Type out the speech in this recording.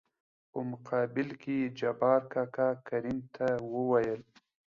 په مقابل کې يې جبار کاکا کريم ته وويل :